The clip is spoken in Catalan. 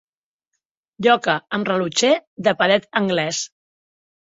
Lloca amb rellotger de paret anglès.